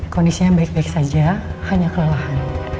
kondisinya baik baik saja hanya kelelahan